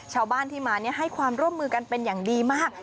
ชาวบ้านที่มาให้ความร่วมมือกันเป็นอย่างดีมาก